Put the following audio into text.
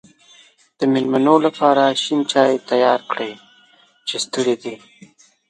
د مېلمنو لپاره شین چای تیار کړی چې ستړی دی.